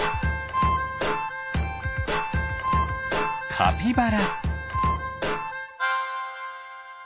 カピバラ。